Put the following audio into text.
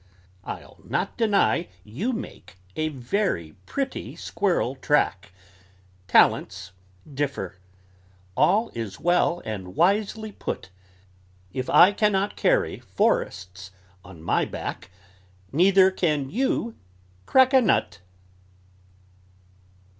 I'll not deny you make A very pretty squirrel track; Talents differ; all is well and wisely put; If I can not carry forests on my back, Neither can you crack a nut."